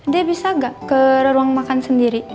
de bisa gak ke ruang makan sendiri